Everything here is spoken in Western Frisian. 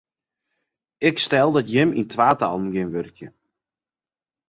Ik stel út dat jimme yn twatallen wurkje.